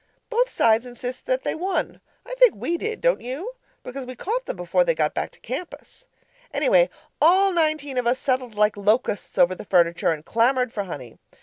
Both sides insist that they won. I think we did, don't you? Because we caught them before they got back to the campus. Anyway, all nineteen of us settled like locusts over the furniture and clamoured for honey.